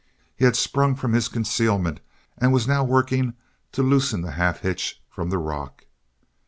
He had sprung from his concealment and was now working to loosen the half hitch from the rock.